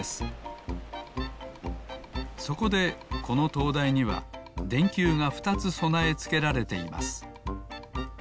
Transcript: そこでこのとうだいにはでんきゅうが２つそなえつけられています。